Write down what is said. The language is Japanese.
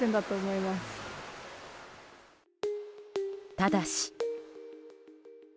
ただし。